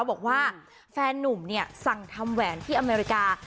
บอกว่าแฟนนุ่มเนี่ยสั่งทำแหวนที่อเมริกา